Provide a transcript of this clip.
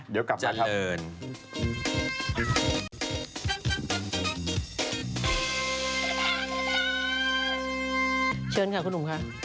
เชิญค่ะคุณหนุ่มค่ะ